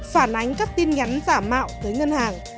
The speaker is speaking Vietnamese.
phản ánh các tin nhắn giả mạo tới ngân hàng